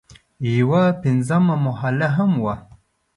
یوه پنځمه محله هم وه.